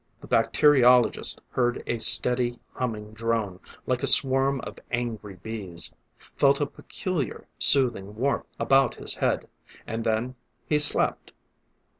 The bacteriologist heard a steady, humming drone, like a swarm of angry bees felt a peculiar, soothing warmth about his head; and then he slept.